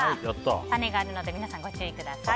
種があるので皆さんご注意ください。